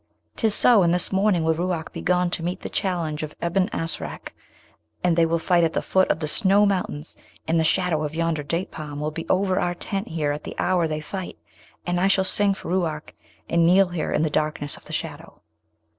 'Tis so; and this morning will Ruark be gone to meet the challenge of Ebn Asrac, and they will fight at the foot of the Snow Mountains, and the shadow of yonder date palm will be over our tent here at the hour they fight, and I shall sing for Ruark, and kneel here in the darkness of the shadow.'